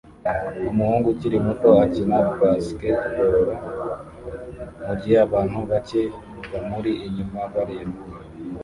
Umuhungu ukiri muto akina basketball mugihe abantu bake bamuri inyuma bareba